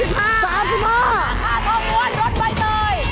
แค่ท้องรวดรถใบเตย